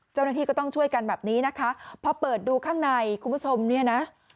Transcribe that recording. เจ้าหน้าที่ก็ต้องช่วยกันแบบนี้นะคะพอเปิดดูข้างในคุณผู้ชมเนี่ยนะ